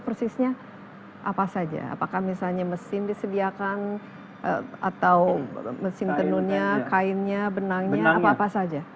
persisnya apa saja apakah misalnya mesin disediakan atau mesin tenunnya kainnya benangnya apa apa saja